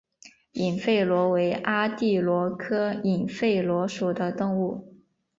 隐肺螺为阿地螺科隐肺螺属的动物。